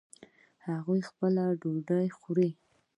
هغوی خپله ډوډۍ خوري